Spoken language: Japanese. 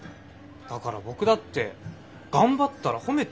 だから僕だって頑張ったら褒めてあげたくて。